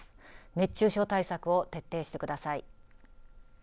熱中症対策を徹底してください。